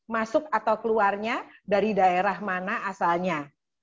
masuk atau keluarnya dari daerah mana asalnya